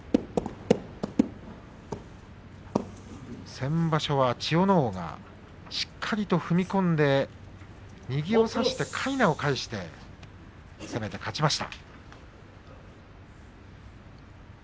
先場所は千代ノ皇がしっかり踏み込んで右を差して、かいなを返して勝ちました。